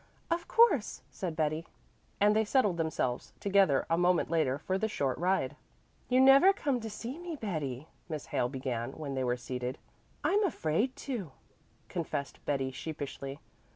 "Of course," said Betty, and they settled themselves together a moment later for the short ride. "You never come to see me, Betty," Miss Hale began, when they were seated. "I'm afraid to," confessed Betty sheepishly.